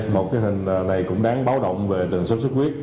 một cái hình này cũng đáng báo động về tầng xuất xuất huyết